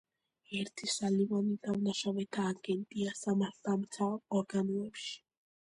ერთი, სალივანი, დამნაშავეთა აგენტია სამართალდამცავ ორგანოებში.